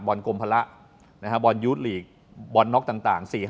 บรรดีกรมภาระบรรดียูสท์ลีก